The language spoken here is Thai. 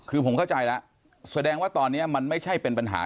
คือผมเข้าใจแล้วแสดงว่าตอนนี้มันไม่ใช่เป็นปัญหา